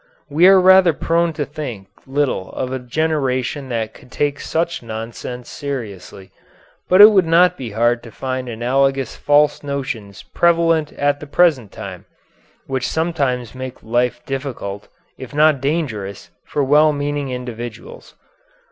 We are rather prone to think little of a generation that could take such nonsense seriously, but it would not be hard to find analogous false notions prevalent at the present time, which sometimes make life difficult, if not dangerous, for well meaning individuals.